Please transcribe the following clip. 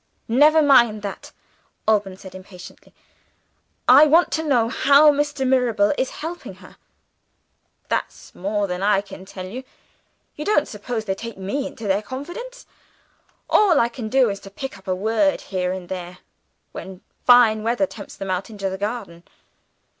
"Never mind that!" Alban said impatiently. "I want to know how Mr. Mirabel is helping her?" "That's more than I can tell you. You don't suppose they take me into their confidence? All I can do is to pick up a word, here and there, when fine weather tempts them out into the garden.